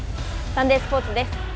サンデースポーツです。